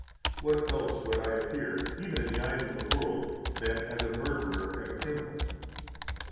What else would I appear, even in the eyes of the world, than as a murderer and a criminal?